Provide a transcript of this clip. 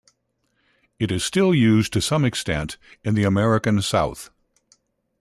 It is still used to some extent in the American South.